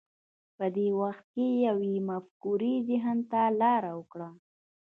په دې وخت کې یوې مفکورې ذهن ته لار وکړه